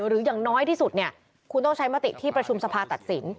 อย่างน้อยที่สุดเนี่ยคุณต้องใช้มติที่ประชุมสภาตัดสิน